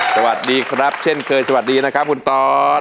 สวัสดีครับเช่นเคยสวัสดีนะครับคุณตอส